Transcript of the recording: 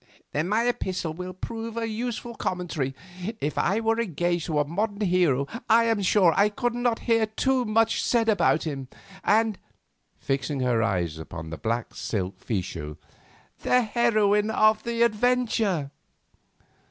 "Then my epistle will prove a useful commentary. If I were engaged to a modern hero I am sure I could not hear too much about him, and," fixing her eyes upon the black silk fichu, "the heroine of the adventure."